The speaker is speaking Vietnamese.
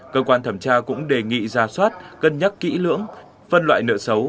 cơ quan thẩm tra cũng đề nghị ra soát cân nhắc kỹ lưỡng phân loại nợ xấu